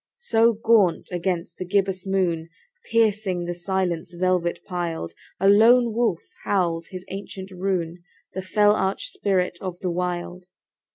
So gaunt against the gibbous moon, Piercing the silence velvet piled, A lone wolf howls his ancient rune— The fell arch spirit of the Wild.